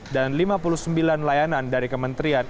dan lima puluh sembilan layanan dari kementerian